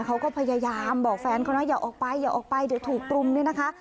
เขาก็พยายามบอกแฟนเขานะอย่าออกไปอย่าออกไปเดี๋ยวถูกรุมเนี่ยนะคะ